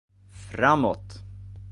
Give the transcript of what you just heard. Framåt!